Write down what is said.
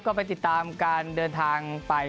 ก็ไปติดตามการเดินทางไป